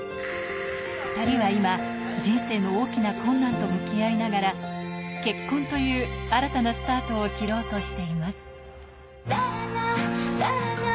２人は今、人生の大きな困難と向き合いながら、結婚という新たなスタートを切ろうとしています。